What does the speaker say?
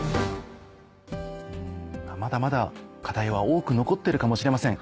まだまだ課題は多く残ってるかもしれません。